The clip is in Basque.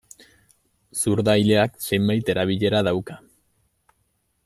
Zurda ileak zenbait erabilera dauka.